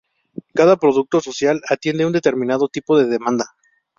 Cada producto social atiende un determinado tipo de Demanda.